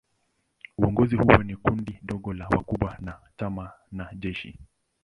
Uongozi huo ni kundi dogo la wakubwa wa chama na jeshi.